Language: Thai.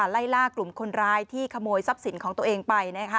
ไล่ล่ากลุ่มคนร้ายที่ขโมยทรัพย์สินของตัวเองไป